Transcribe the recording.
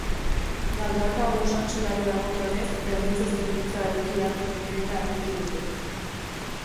Galdakao-Usansoloari dagokionez, erditze zerbitzua eduki beharko lukeela argitu dute.